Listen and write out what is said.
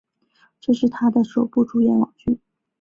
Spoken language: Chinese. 这也是他的首部主演网剧。